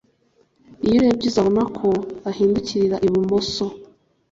Iyo urebye uzabona ko ahindukirira ibumoso